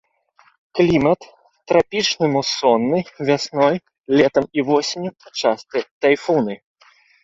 Клімат трапічны мусонны, вясной, летам і восенню частыя тайфуны.